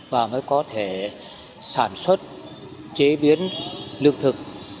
và mới có thể sản xuất chế biến lương thực